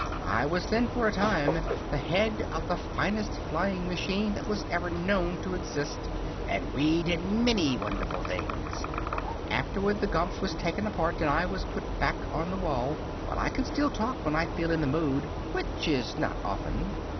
I was then for a time the Head of the finest Flying Machine that was ever known to exist, and we did many wonderful things. Afterward the Gump was taken apart and I was put back on this wall; but I can still talk when I feel in the mood, which is not often."